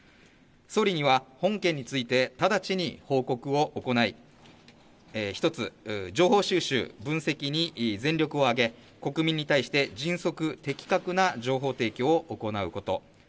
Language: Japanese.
総理には本件について直ちに報告を行い、一つ情報収集、分析に全力を挙げ、国民に対して迅速、的確な情報提供を行うこと。